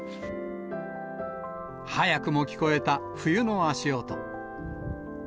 早くも聞こえた冬の足音。